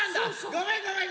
ごめんごめん。